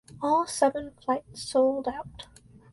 All seven flights sold out.